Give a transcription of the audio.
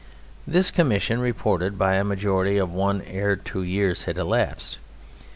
This Commission reported by a majority of one ere two years had elapsed.